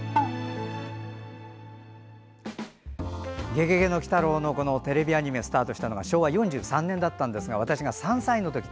「ゲゲゲの鬼太郎」のテレビアニメがスタートしたのが昭和４３年だったんですが私が３歳の時。